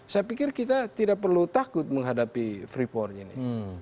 saya pikir kita tidak perlu takut menghadapi freeport ini